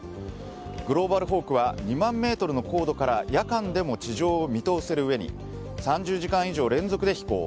グローバルホークは２万メートルの高度から夜間でも地上を見通せるうえに３０時間以上連続で飛行。